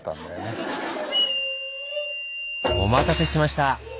お待たせしました。